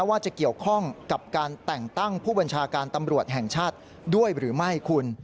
ว่าจะเกี่ยวข้องกับการแต่งตั้งผู้บัญชาการตำรวจแห่งชาติด้วยหรือไม่คุณ